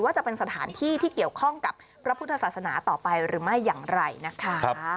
จะเป็นสถานที่ที่เกี่ยวข้องกับพระพุทธศาสนาต่อไปหรือไม่อย่างไรนะคะ